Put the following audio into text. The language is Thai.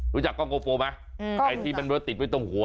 กล้องโกโฟไหมไอ้ที่มันติดไว้ตรงหัว